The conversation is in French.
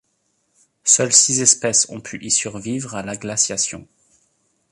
Seules six espèces ont pu y survivre à la glaciation.